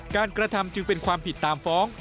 กระทำจึงเป็นความผิดตามฟ้อง